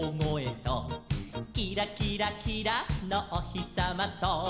「キラキラキラのおひさまと」